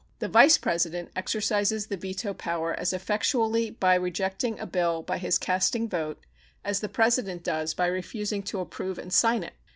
The Vice President exercises the veto power as effectually by rejecting a bill by his casting vote as the President does by refusing to approve and sign it.